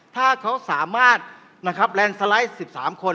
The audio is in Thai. ถ้าเขาสามารถแลนด์สไลด์๑๓คน